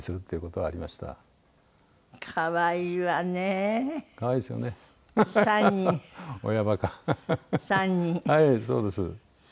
はいそうです。